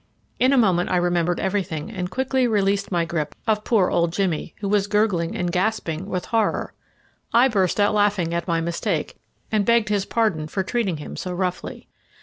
In a moment I remembered everything, and quickly released my grip of poor old Jimmy, who was gurgling and gasping with horror. I burst out laughing at my mistake, and begged his pardon for treating him so roughly.